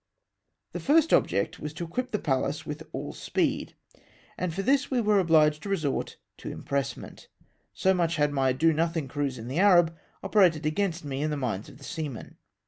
The first object was to equip the Pallas with all speed ; and for tliis we were obliged to resort to im pressment, so much had my d.o nothing cruise in the Arab operated against me in the minds of the seamen.